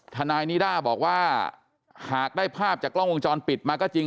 ทนายนิด้าบอกว่าหากได้ภาพจากกล้องวงจรปิดมาก็จริง